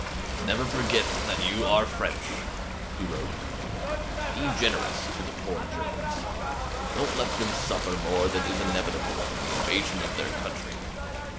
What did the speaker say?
"Never forget that you are French," he wrote. "Be generous to the poor Germans. Don't let them suffer more than is inevitable from the invasion of their country."